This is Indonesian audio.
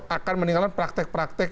akan meninggalkan praktek praktek